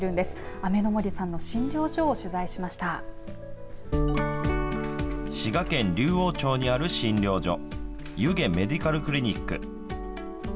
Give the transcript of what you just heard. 雨森さんの診療所を滋賀県竜王町にある診療所弓削メディカルクリニック。